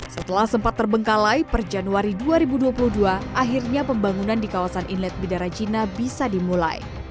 setelah sempat terbengkalai per januari dua ribu dua puluh dua akhirnya pembangunan di kawasan inlet bidara cina bisa dimulai